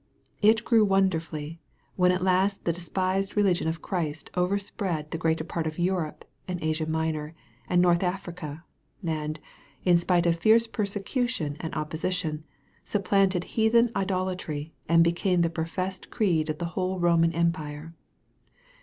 It grew wonderfully, when at last the despised religion of Christ overspread the greater part of Europe, and Asia Minor, and North Africa, and, in spite of fierce persecution and opposition, supplanted heathen idolatry, and became the professed creed of the whole Roman empire.